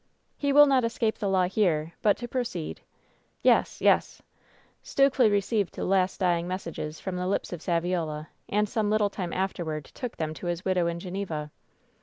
"He will not escape the law here ; but to proceed " "Yes— yes !" "Stukely received the last dying messages from the lips of Saviola, and some little time afterward took them to his widow in Geneva.